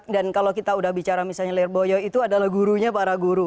dan kalau kita sudah bicara misalnya lerboyo itu adalah gurunya para guru